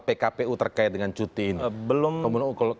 pkpu terkait dengan cuti ini